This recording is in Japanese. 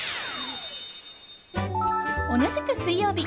同じく水曜日。